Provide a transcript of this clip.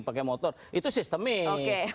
pakai motor itu sistemik